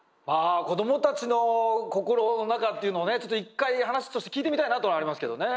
子どもたちの心の中っていうのをねちょっと一回話として聞いてみたいなというのはありますけどね。